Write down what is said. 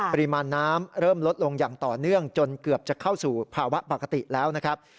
ปริมาณน้ำเริ่มลดลงอย่างต่อเนื่องจนเกือบจะเข้าสู่ภาวะปกติแล้วนะครับ